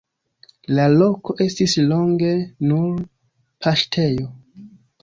La loko estis longe nur paŝtejo.